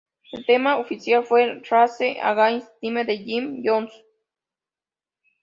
El tema oficial fue ""Race Against Time" "de Jim Johnston.